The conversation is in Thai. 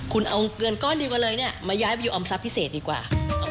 คุณเอาเงินก้อนเดียวกันเลยเนี่ยมาย้ายไปอยู่ออมทรัพย์พิเศษดีกว่า